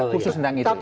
khusus tentang itu